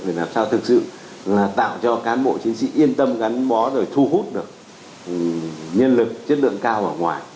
để làm sao thực sự là tạo cho cán bộ chiến sĩ yên tâm gắn bó rồi thu hút được nhân lực chất lượng cao ở ngoài